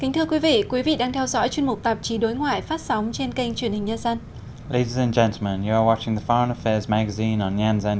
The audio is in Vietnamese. thưa quý vị quý vị đang theo dõi chuyên mục tạp chí đối ngoại phát sóng trên kênh truyền hình nhân dân